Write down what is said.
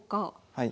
はい。